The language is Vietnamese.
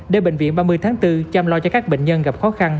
để bệnh viện ba mươi tháng bốn chăm lo cho các bệnh nhân gặp khó khăn